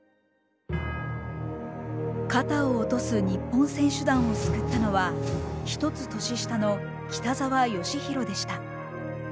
肩を落とす日本選手団を救ったのは一つ年下の北沢欣浩でした。